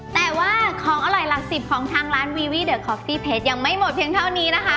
แต่ว่าของอร่อยหลักสิบของทางร้านวีวี่เดอคอฟฟี่เพชรยังไม่หมดเพียงเท่านี้นะคะ